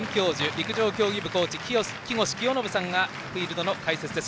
陸上競技部コーチの木越清信さんがフィールドの解説です。